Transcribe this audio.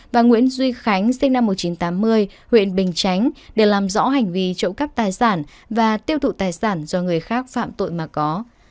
và nguyễn duy khánh sinh năm một nghìn chín trăm tám mươi huyện bình chánh để làm rõ hành vi trộm cắp tài sản và tiêu thụ tài sản do người khác phạm tội mà có